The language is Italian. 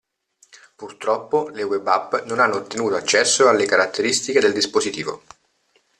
Purtroppo, le web app non hanno ottenuto accesso alle caratteristiche del dispositivo.